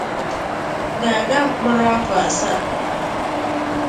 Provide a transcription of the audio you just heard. ga-aga mkpọrọ afọ asaa.